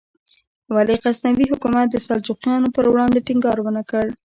ولې غزنوي حکومت د سلجوقیانو پر وړاندې ټینګار ونکړ؟